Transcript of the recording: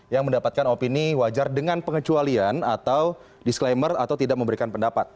yang mendapatkan opini wajar dengan pengecualian atau disclaimer atau tidak memberikan pendapat